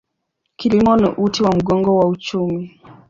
Kilimo ni uti wa mgongo wa uchumi.